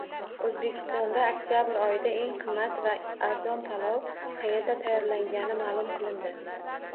O‘zbekistonda oktabr oyida eng qimmat va arzon palov qayerda tayyorlangani ma’lum qilindi